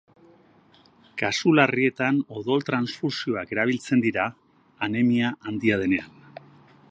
Kasu larrietan odol-transfusioak erabiltzen dira, anemia handia denean